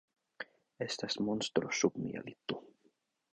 Estas monstro sub mia lito.